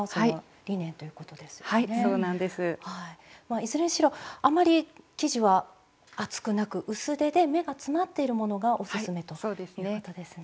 いずれにしろあまり生地は厚くなく薄手で目が詰まっているものがオススメということですね。